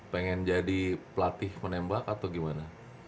pengen jadi pelatih menembak atau gimana